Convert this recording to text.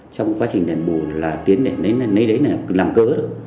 trong quá trình đền bù là tiến lấy đấy là làm cớ